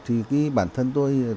thì bản thân tôi